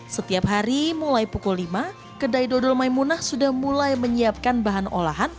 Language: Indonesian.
setiap hari mulai pukul lima kedai dodol maimunah sudah mulai menyiapkan bahan olahan